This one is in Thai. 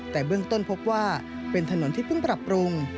แต่เบื้องต้นพบว่าเป็นถนนที่เพิ่งปรับปรุง